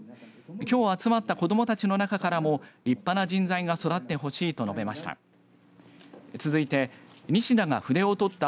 きょう集まった子どもたちの中からも立派な人材が育ってほしいと述べました。